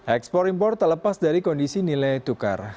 ekspor impor terlepas dari kondisi nilai tukar